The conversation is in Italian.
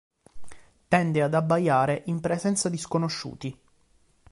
Tende ad abbaiare in presenza di sconosciuti.